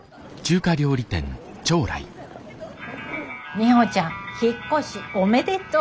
ミホちゃん引っ越しおめでとう。